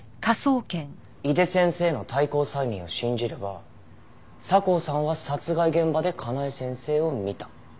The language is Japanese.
井手先生の退行催眠を信じれば佐向さんは殺害現場で香奈枝先生を見た。